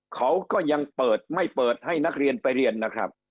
เขาก็ยังเปิดไม่เปิดให้นักเรียนไปเรียนนะครับ